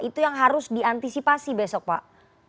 itu yang harus diantisipasi besok pak